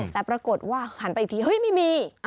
แต่ปรากฏว่าหันไปอีกทีเฮ้ยไม่มี